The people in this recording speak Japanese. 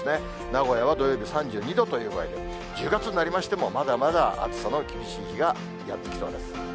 名古屋は土曜日３２度という具合で、１０月になりましても、まだまだ暑さの厳しい日がやって来そうです。